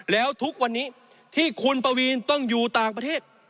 แล้วทุกวันนี้ที่คุณปวีนต้องอยู่ต่างประเทศ